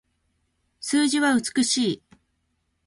数字は美しい